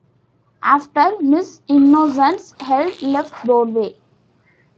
After "Miss Innocence", Held left Broadway.